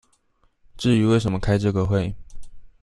至於為什麼開這個會